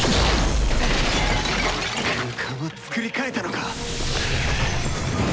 空間をつくり変えたのか！？